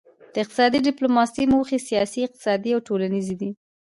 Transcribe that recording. د اقتصادي ډیپلوماسي موخې سیاسي اقتصادي او ټولنیزې دي